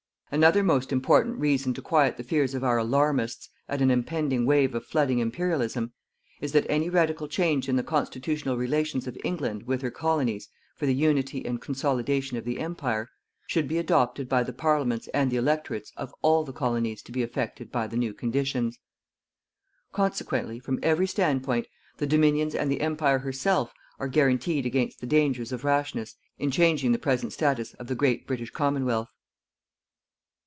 Another most important reason to quiet the fears of our "alarmists" at an impending wave of flooding Imperialism, is that any radical change in the constitutional relations of England with her Colonies for the unity and consolidation of the Empire, should be adopted by the Parliaments and the Electorates of all the Colonies to be affected by the new conditions. Consequently, from every standpoint the Dominions and the Empire herself are guaranteed against the dangers of rashness in changing the present status of the great British Commonwealth.